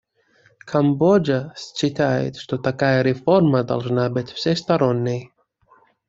Камбоджа считает, что такая реформа должна быть всесторонней.